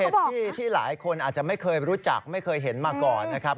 ที่หลายคนอาจจะไม่เคยรู้จักไม่เคยเห็นมาก่อนนะครับ